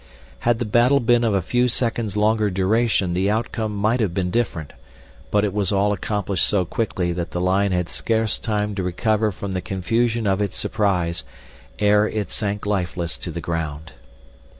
Had the battle been of a few seconds' longer duration the outcome might have been different, but it was all accomplished so quickly that the lion had scarce time to recover from the confusion of its surprise ere it sank lifeless to the ground.